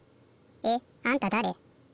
えっあんただれ？